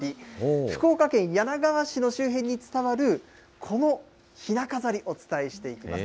福岡県柳川市の周辺に伝わる、このひな飾り、お伝えしていきます。